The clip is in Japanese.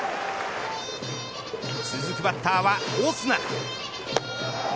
続くバッターはオスナ。